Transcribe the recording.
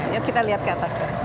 ya kita lihat ke atas ya